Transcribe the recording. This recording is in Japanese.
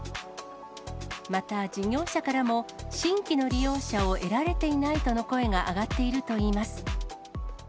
また事業者からも、新規の利用者を得られていないとの声が上がっているといいます。